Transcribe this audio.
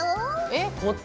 えっ！